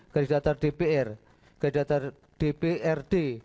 garis data dpr garis data dprd